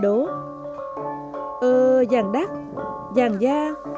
ơ giàng đác giàng gia